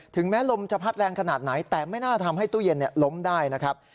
แม้ลมจะพัดแรงขนาดไหนแต่ไม่น่าทำให้ตู้เย็นล้มได้นะครับ